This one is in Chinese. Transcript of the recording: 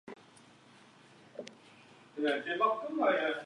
宇山兵士毕业于东京帝国大学。